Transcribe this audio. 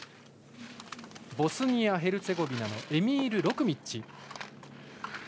ボスニア・ヘルツェゴビナエミール・ロクミッチ。